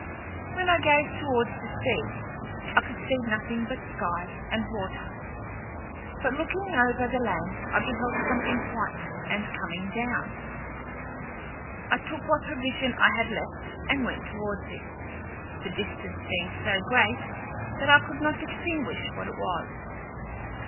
When I gazed towards the sea I could see nothing but sky and water; but looking over the land I beheld something white; and coming down, I took what provision I had left, and went towards it, the distance being so great, that I could not distinguish what it was.